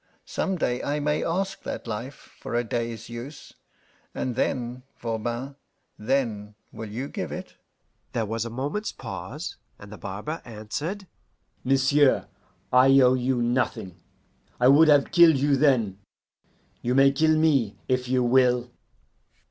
Some day I may ask that life for a day's use, and then, Voban, then will you give it?" There was a moment's pause, and the barber answered, "M'sieu', I owe you nothing. I would have killed you then; you may kill me, if you will."